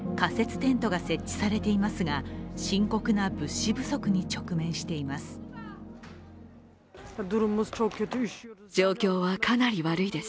テントが設置されていますが深刻な物資不足に直面しています。